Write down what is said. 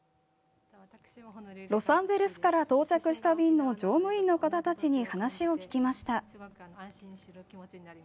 ロサンゼルスから到着した便の乗務員の方たちに話を聞きました。